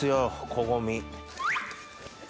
コゴミ。